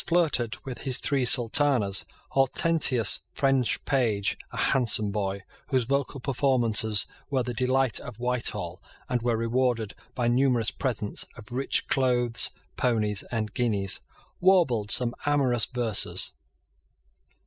flirted with his three sultanas, Hortensia's French page, a handsome boy, whose vocal performances were the delight of Whitehall, and were rewarded by numerous presents of rich clothes, ponies, and guineas, warbled some amorous verses.